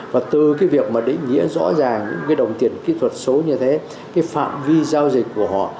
và từ việc định nghĩa rõ ràng những đồng tiền kỹ thuật số như thế phạm vi giao dịch của họ